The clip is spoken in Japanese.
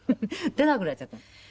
出なくなっちゃったの。